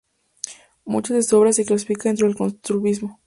Mucha de su obra se clasifica dentro del costumbrismo.